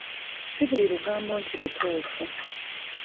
Si buli lugambo nti ntuufu.